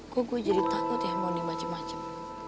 kok gue jadi takut ya mau nih macem macem